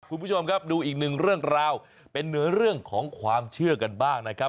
คุณผู้ชมครับดูอีกหนึ่งเรื่องราวเป็นเรื่องของความเชื่อกันบ้างนะครับ